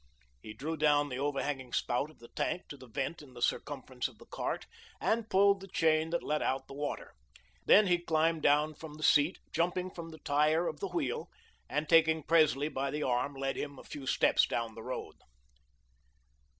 He drew down the overhanging spout of the tank to the vent in the circumference of the cart and pulled the chain that let out the water. Then he climbed down from the seat, jumping from the tire of the wheel, and taking Presley by the arm led him a few steps down the road.